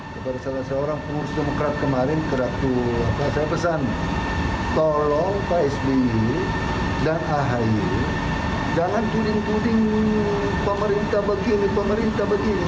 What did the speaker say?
bagi salah seorang pengurus demokrat kemarin saya pesan tolong pak esli dan ahi jangan tuding tuding pemerintah begini pemerintah begini